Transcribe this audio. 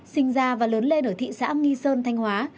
sinh ra và lớn lên ở thị xã nghi sơn thanh hóa